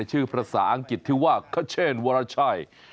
ชื่อภาษาอังกฤษที่ว่าคเชนวรชัย